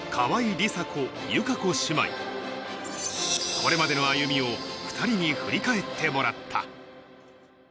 これまでの歩みを２人に振り返ってもらった。